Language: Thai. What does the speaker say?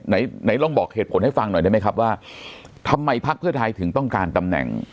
ไหนไหนลองบอกเหตุผลให้ฟังหน่อยได้ไหมครับว่าทำไมพักเพื่อไทยถึงต้องการตำแหน่ง